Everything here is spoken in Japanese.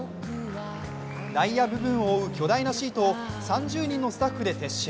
内野部分を覆う巨大なシートを３０人のスタッフで撤収。